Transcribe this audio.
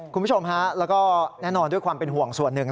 คุณผู้ชมฮะแล้วก็แน่นอนด้วยความเป็นห่วงส่วนหนึ่ง